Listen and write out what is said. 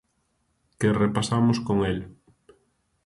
Que repasamos con el.